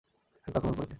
শত্রু আক্রমণ করেছে!